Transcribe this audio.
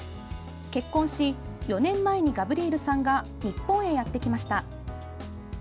結婚し４年前にガブリエルさんが日本へやってきました。